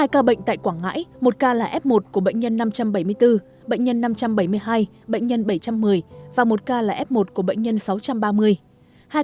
hai ca bệnh tại quảng ngãi một ca là f một của bệnh nhân năm trăm bảy mươi bốn bệnh nhân năm trăm bảy mươi hai bệnh nhân bảy trăm một mươi và một ca là f một của bệnh nhân sáu trăm ba mươi